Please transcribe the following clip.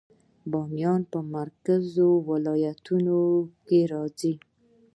بامیان په مرکزي ولایتونو کې راځي